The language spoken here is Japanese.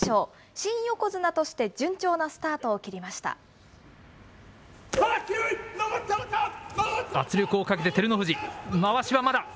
新横綱として順調なスタートを切圧力をかけて照ノ富士、まわしはまだ。